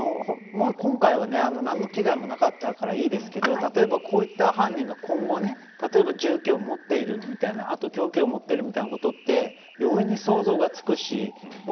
今回は何の危害もなかったからいいですけどこういった犯人が今後銃器を持っているみたいなもしくは凶器を持っているみたいなことも容易に想像がつくし